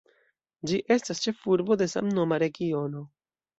Ĝi estas ĉefurbo de samnoma regiono.